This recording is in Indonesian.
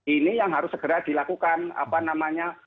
ini yang harus segera dilakukan apa namanya